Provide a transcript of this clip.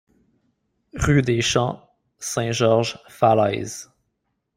Rue des Champs Saint-Georges, Falaise